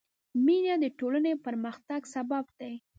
مینه د ټولنې پرمختګ سبب دی.